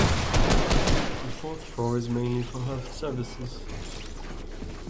The fourth floor is mainly for health services.